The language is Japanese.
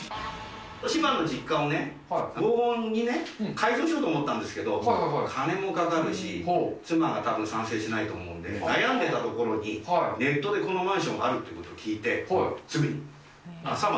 千葉の実家をね、防音に改造しようと思ったんですけど、金もかかるし、妻がたぶん賛成しないと思うんで、悩んでたところに、ネットでこのマンションがあるっていうことを聞いて、すぐに。